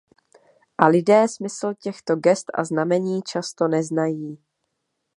A lidé smysl těchto gest a znamení často neznají.